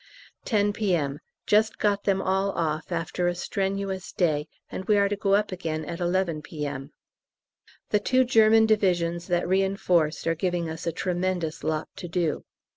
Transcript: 10 P.M. Just got them all off after a strenuous day, and we are to go up again at 11 P.M. The two German divisions that reinforced are giving us a tremendous lot to do.